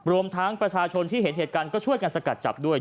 รวมทั้งประชาชนที่เห็นเหตุการณ์ก็ช่วยกันสกัดจับด้วย